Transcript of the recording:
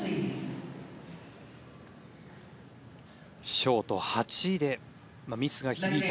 ショート８位でミスが響いた。